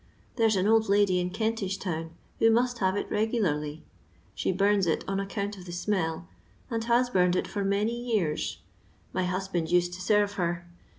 There 's an old lady in Kentish town, who must have it regu larly ; she bums it on account of the smell, and has burned it for many years : my husband used to serve her.